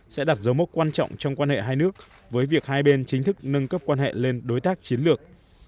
sẽ đặt dấu mốc quan trọng trong quan hệ hai nước với việc hai bên chính thức nâng cấp quan hệ lên đối tác chiến lược